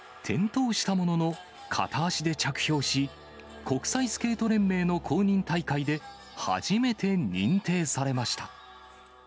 転倒したものの、片足で着氷し、国際スケート連盟の公認大会で、初めて認定されました。